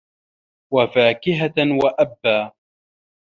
وَفاكِهَةً وَأَبًّا